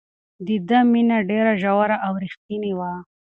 د ده مینه ډېره ژوره او رښتینې وه.